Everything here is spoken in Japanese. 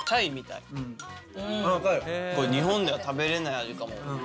これ日本では食べれない味かも。